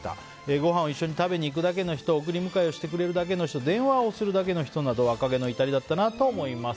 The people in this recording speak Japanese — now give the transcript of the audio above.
ごはんを一緒に食べに行くだけの人送り迎えをしてくれるだけの人電話をするだけの人など若気の至りだったなぁと思います。